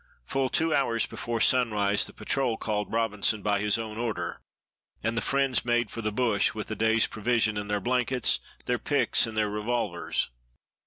Full two hours before sunrise the patrol called Robinson by his own order, and the friends made for the bush, with a day's provision and their blankets, their picks, and their revolvers.